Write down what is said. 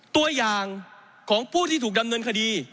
ตัวอย่างของผู้ที่ถูกดำเนินคดี